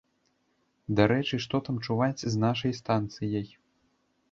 Дарэчы, што там чуваць з нашай станцыяй?